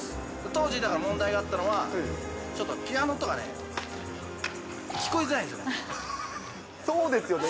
当時問題だったのは、ちょっとピアノの音がね、聞こえづらいんですよね。